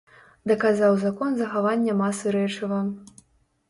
Даказаў закон захавання масы рэчыва.